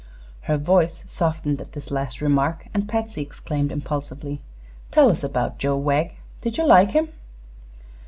Her voice softened at this last remark, and Patsy exclaimed, impulsively: "Tell us about Joe Wegg. Did you like him?"